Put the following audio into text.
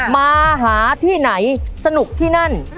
มาหาที่ไหนสนุกที่นั่น